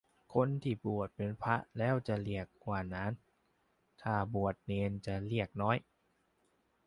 คนที่บวชเป็นพระแล้วจะเรียกว่าหนาน ถ้าบวชเณรจะเรียกน้อย